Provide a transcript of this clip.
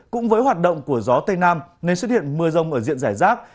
cũng với hoạt động của gió tây nam nên xuất hiện mưa rông ở diện giải rác